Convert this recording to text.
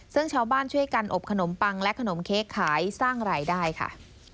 ซึ่งชาวบ้านช่วยกันอบขนมปังและขนมเค้กขายสร้างรายได้ค่ะ